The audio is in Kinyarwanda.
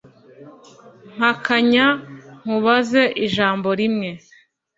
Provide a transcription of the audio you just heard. mpakanya nkubaze ijambo rimwe"